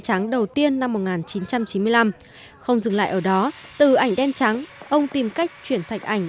tráng đầu tiên năm một nghìn chín trăm chín mươi năm không dừng lại ở đó từ ảnh đen trắng ông tìm cách chuyển thạch ảnh